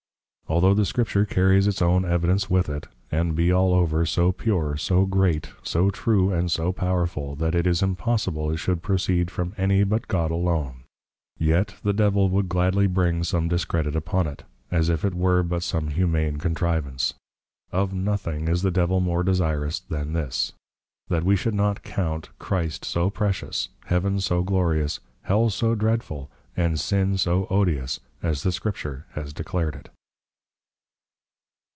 Altho' the Scripture carries its own Evidence with it, and be all over, so pure, so great, so true, and so powerful, that it is impossible it should proceed from any but God alone; yet the Devil would gladly bring some Discredit upon it, as if it were but some Humane Contrivance; Of nothing, is the Devil more desirous, than this; That we should not count, Christ so precious, Heaven so Glorious, Hell so Dreadful, and Sin so odious, as the Scripture has declared it.